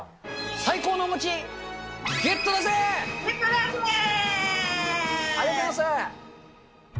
最高のお餅、ゲットです。